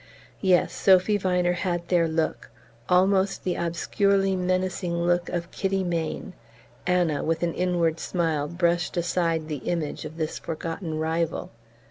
Yes, Sophy Viner had their look almost the obscurely menacing look of Kitty Mayne...Anna, with an inward smile, brushed aside the image of this forgotten rival.